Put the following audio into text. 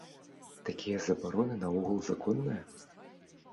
Такія забароны наогул законныя?